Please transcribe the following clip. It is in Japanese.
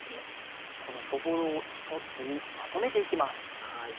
このそぼろを１つにまとめていきます。